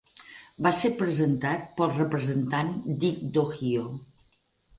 Va ser presentat pel representant Dick d'Ohio.